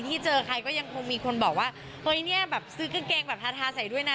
ที่เจอใครก็ยังคงมีคนบอกว่าเฮ้ยเนี่ยแบบซื้อกางเกงแบบทาทาใส่ด้วยนะ